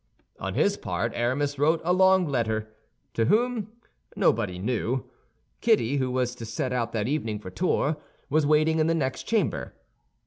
On his part Aramis wrote a long letter. To whom? Nobody knew. Kitty, who was to set out that evening for Tours, was waiting in the next chamber.